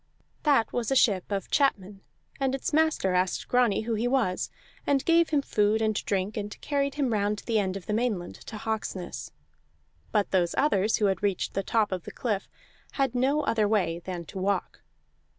That was a ship of chapmen, and its master asked Grani who he was, and gave him food and drink, and carried him round the end of the Mainland to Hawksness; but those others who had reached the top of the cliff had no other way than to walk.